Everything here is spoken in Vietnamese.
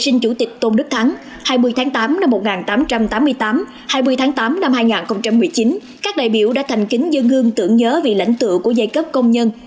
năm hai nghìn tám hai nghìn một mươi chín các đại biểu đã thành kính dân hương tưởng nhớ vị lãnh tựa của giai cấp công nhân